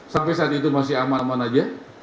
sampai saat itu masih aman aman saja